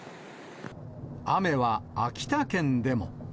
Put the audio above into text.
雨は秋田県でも。